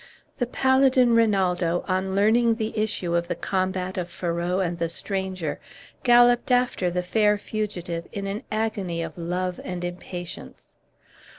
The paladin Rinaldo, on learning the issue of the combat of Ferrau and the stranger, galloped after the fair fugitive in an agony of love and impatience.